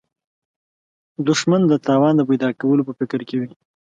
دښمن د تاوان د پیدا کولو په فکر کې وي